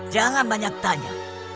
jangan banyak tanya